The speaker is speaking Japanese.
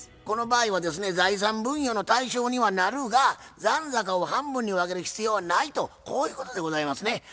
この場合はですね財産分与の対象にはなるが残高を半分に分ける必要はないとこういうことでございますね。